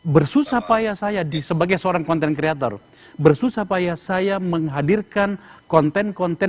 bersusah payah saya di sebagai seorang content creator bersusah payah saya menghadirkan konten konten